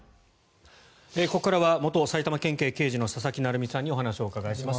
ここからは元埼玉県警刑事の佐々木成三さんにお話をお伺いします。